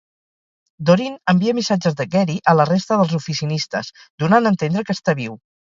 Dorine envia missatges de Gary a la resta dels oficinistes, donant a entendre que està viu.